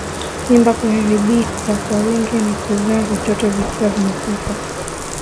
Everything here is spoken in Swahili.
Mimba kuharibika kwa wingi na kuzaa vitoto vikiwa vimekufa